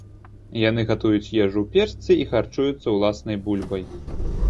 Яны гатуюць ежу ў печцы і харчуюцца ўласнай бульбай.